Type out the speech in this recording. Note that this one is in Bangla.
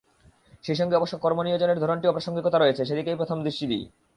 সেই সঙ্গে অবশ্য কর্মনিয়োজনের ধরনটিরও প্রাসঙ্গিকতা রয়েছে, সেদিকেই প্রথম দৃষ্টি দিই।